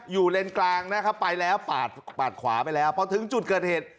อยู่เลนส์กลางนะครับไปแล้วปาดปาดขวาไปแล้วเพราะถึงจุดเกิดเหตุ